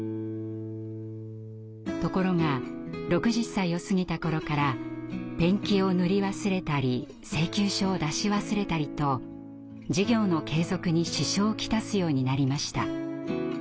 ところが６０歳を過ぎたころからペンキを塗り忘れたり請求書を出し忘れたりと事業の継続に支障をきたすようになりました。